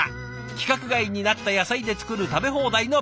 規格外になった野菜で作る食べ放題のビュッフェ。